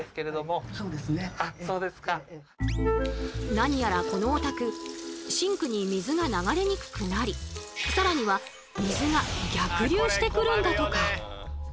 何やらこのお宅シンクに水が流れにくくなり更には水が逆流してくるんだとか。